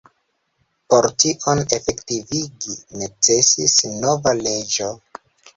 Por tion efektivigi necesis nova leĝo.